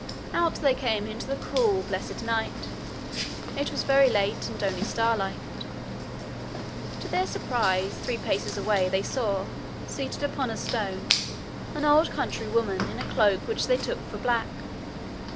Out they came into the cool, blessed night. It was very late, and only starlight. To their surprise, three paces away they saw, seated upon a stone, an old country woman, in a cloak which they took for black.